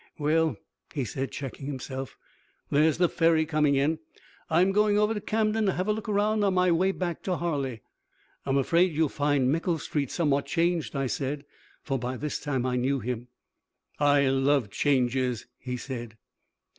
"Well," he said, checking himself, "there's the ferry coming in. I'm going over to Camden to have a look around on my way back to Harleigh." "I'm afraid you'll find Mickle street somewhat changed," I said, for by this time I knew him. "I love changes," he said.